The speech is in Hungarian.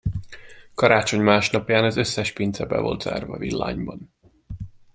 Karácsony másnapján az összes pince be volt zárva Villányban.